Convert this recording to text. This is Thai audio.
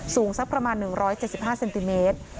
สูงสักประมาณ๑๗๕เซนติเมตร